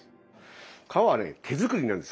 皮はね手作りなんです。